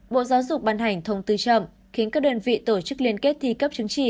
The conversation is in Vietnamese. bộ giáo dục ban hành thông tư chậm khiến các đơn vị tổ chức liên kết thi cấp chứng chỉ